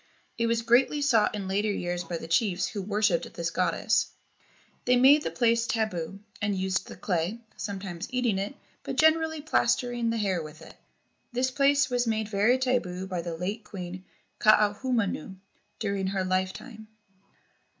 It was greatly sought in later years by the chiefs who worshipped this goddess. They made the place tabu, and used the clay, sometimes eating it, but generally plastering the hair with it. This place was made very tabu by the late Queen Kaahumanu during her lifetime.